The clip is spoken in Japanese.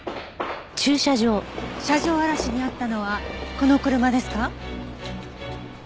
車上荒らしに遭ったのはこの車ですか？